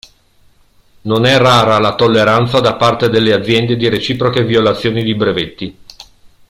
Non è rara la tolleranza da parte delle aziende di reciproche violazioni di brevetti.